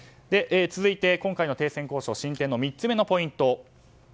続いて、今回の停戦交渉進展の３つ目のポイント